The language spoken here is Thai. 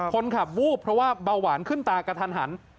คนขับวูบเพราะว่าเบาหวานขึ้นตากระทันหัน